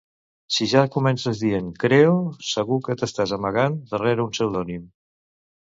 Si ja comences dient "creo", segur que t'estàs amagant darrere un pseudònim.